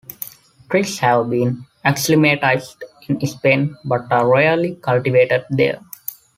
Trees have been acclimatized in Spain but are rarely cultivated there.